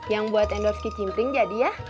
yang buat endorse kicim ring jadi ya